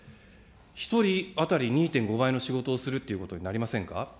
１人当たり２．５倍の仕事をするということになりませんか。